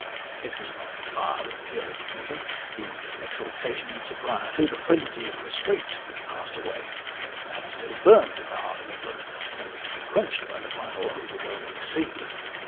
It was not the fire of Puritanism, the exultation in sobriety, the frenzy of restraint, which passed away : that still burns in the heart of England, only to be quenched by the final over whelming sea.